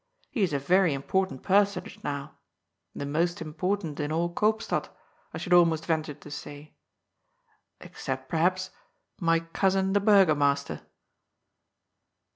He is a very important personage now. The most important in all Eoopstad, I should almost venture to say. Except, perhaps, my cousin, the Burgomaster."